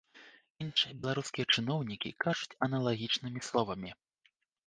Іншыя беларускія чыноўнікі кажуць аналагічнымі словамі.